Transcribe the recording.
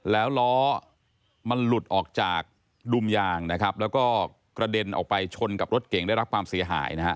แล้วล้อมันหลุดออกจากดุมยางนะครับแล้วก็กระเด็นออกไปชนกับรถเก่งได้รับความเสียหายนะฮะ